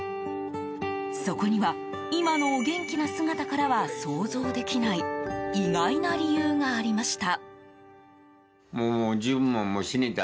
そこには、今のお元気な姿からは想像できない意外な理由がありました。